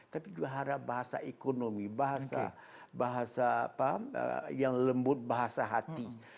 tapi juga harap bahasa ekonomi bahasa yang lembut bahasa hati